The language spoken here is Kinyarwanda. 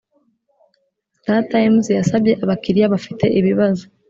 startimes yasabye abakiliya bafite ibibazo